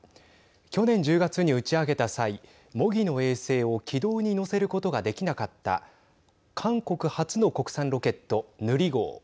去年１０月に打ち上げた際模擬の衛星を軌道にのせることができなかった韓国初の国産ロケットヌリ号。